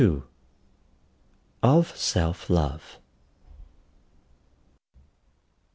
OF SELF LOVE.